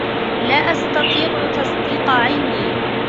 لا أستطيع تصديق عينيّ.